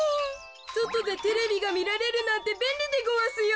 そとでテレビがみられるなんてべんりでごわすよ。